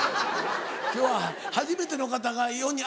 今日は初めての方が４人。